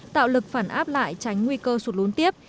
tạo lực phản áp lại tránh nguy cơ sụt lún tiếp